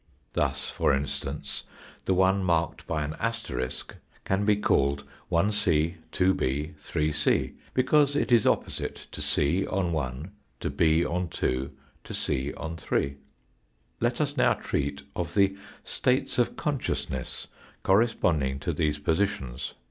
Thus, for instance, the one marked by an asterisk can <*k be called Ic, 26, 3c, because it is opposite to c on 1, to 6 on 2, to c on 3. Let us now treat of the states of consciousness corresponding to these positions.